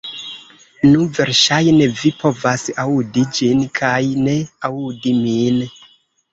Nu, verŝajne vi povas aŭdi ĝin kaj ne aŭdi min.